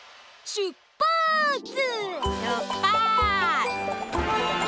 しゅっぱつ！